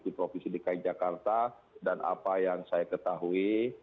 di provinsi dki jakarta dan apa yang saya ketahui